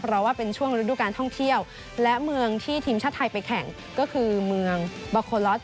เพราะว่าเป็นช่วงฤดูการท่องเที่ยวและเมืองที่ทีมชาติไทยไปแข่งก็คือเมืองบาโคลอส